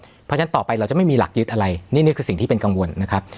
เพราะฉะนั้นต่อไปเราจะไม่มีหลักยึดอะไรนี่คือสิ่งที่เป็นกังวลนะครับ